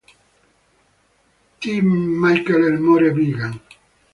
T Michael Elmore-Meegan.